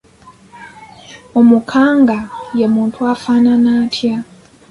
Omukanga ye muntu afaanana atya?